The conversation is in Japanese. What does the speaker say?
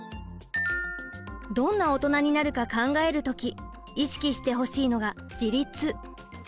どんなオトナになるか考える時意識してほしいのが自立。